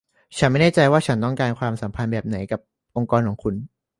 ฉันไม่แน่ใจว่าฉันต้องการความสัมพันธ์แบบไหนกับองค์กรของคุณ